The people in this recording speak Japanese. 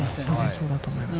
そうだと思います。